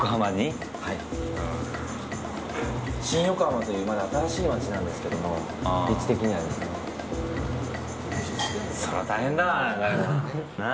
新横浜という、まだ新しい街なんですけれども、立地的にはですね。それは大変だわ。なぁ。